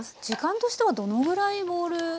時間としてはどのぐらいボウル？